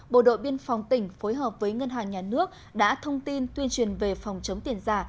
bộ đội biên phòng tỉnh phối hợp với ngân hàng nhà nước đã thông tin tuyên truyền về phòng chống tiền giả